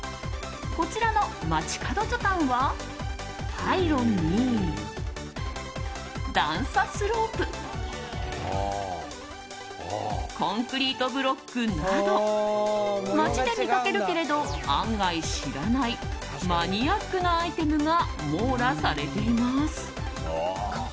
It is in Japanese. こちらの「街角図鑑」はパイロンに、段差スロープコンクリートブロックなど街で見かけるけれど案外知らないマニアックなアイテムが網羅されています。